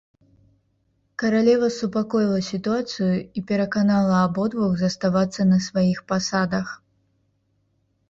Каралева супакоіла сітуацыю і пераканала абодвух заставацца на сваіх пасадах.